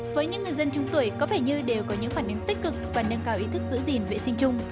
với những người dân trung tuổi có vẻ như đều có những phản ứng tích cực và nâng cao ý thức giữ gìn vệ sinh chung